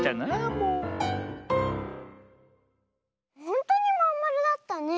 ほんとにまんまるだったね！